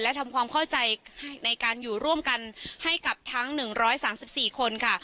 และทำความเข้าใจในการอยู่ร่วมกันให้กับทั้ง๑๓๔คนค่ะ